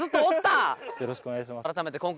よろしくお願いします